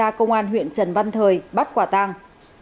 cơ quan cảnh sát điều tra công an huyện trần văn thời bắt quả tàng